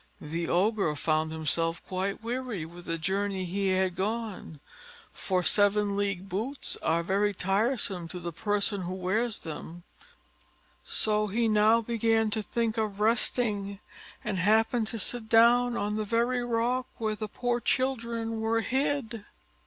The Ogre found himself quite weary with the journey he had gone, for seven league boots are very tiresome to the person who wears them; so he now began to think of resting, and happened to sit down on the very rock where the poor children were hid.